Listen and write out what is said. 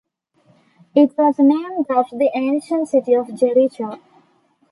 It was named after the ancient city of Jericho.